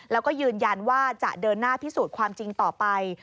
แล้วก็ยืนยันว่าจะเดินหน้าพิสูจน์ความจริงต่อไป